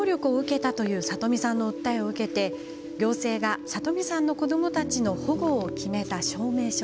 元夫から暴力を受けたというさとみさんの訴えを受けて行政がさとみさんと子どもたちの保護を決めた証明書。